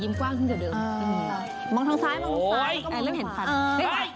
ยิ้มไว้อย่างนั้นอ่ะดีมาก